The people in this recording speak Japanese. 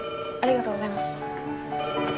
ありがとうございます。